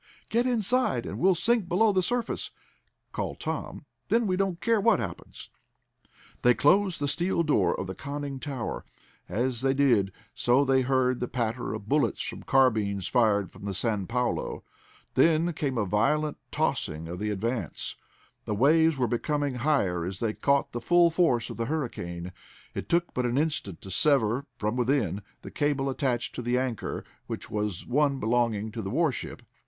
"Get inside and we'll sink below the surface!" called Tom. "Then we don't care what happens." They closed the steel door of the conning tower. As they did so they heard the patter of bullets from carbines fired from the San Paulo. Then came a violent tossing of the Advance; the waves were becoming higher as they caught the full force of the hurricane. It took but an instant to sever, from within, the cable attached to the anchor, which was one belonging to the warship.